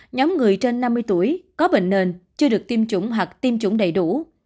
nhóm người trên năm mươi tuổi có bệnh nền chưa được tiêm chủng hoặc tiêm chủng đầy đủ